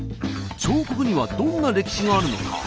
彫刻にはどんな歴史があるのか？